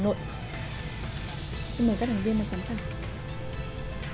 xin mời các thành viên vào giám khảo